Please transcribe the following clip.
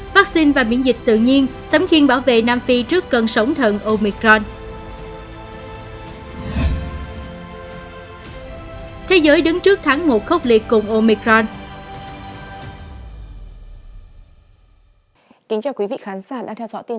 vắc xin và miễn dịch tự nhiên tấm khiên bảo vệ nam phi trước cơn sống thận omicron